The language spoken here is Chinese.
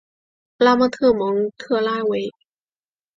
拉莫特蒙特拉韦。